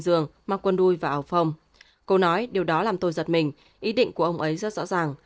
giường mặc quần đuôi và ảo phòng cô nói điều đó làm tôi giật mình ý định của ông ấy rất rõ ràng